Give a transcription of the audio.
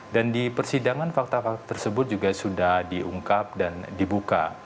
dan di persidangan fakta fakta tersebut juga sudah diungkap dan dibuka